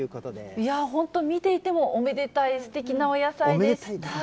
いやー、本当、見ていてもおめでたいすてきなお野菜でした。